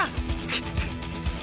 くっ！